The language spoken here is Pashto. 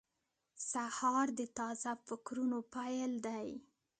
سهار د تازه فکرونو پیل دی.